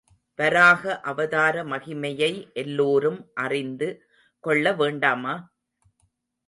வராக அவதார மகிமையை எல்லோரும் அறிந்து கொள்ள வேண்டாமா?